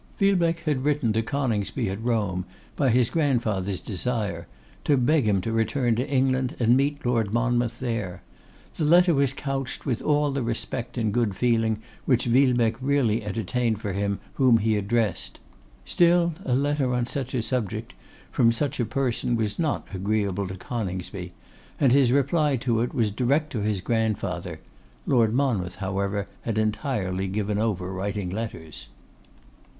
Villebecque had written to Coningsby at Rome, by his grandfather's desire, to beg him to return to England and meet Lord Monmouth there. The letter was couched with all the respect and good feeling which Villebecque really entertained for him whom he addressed; still a letter on such a subject from such a person was not agreeable to Coningsby, and his reply to it was direct to his grandfather; Lord Monmouth, however, had entirely given over writing letters.